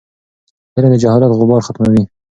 علم د جهالت غبار ختموي.